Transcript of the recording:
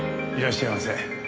いらっしゃいませ。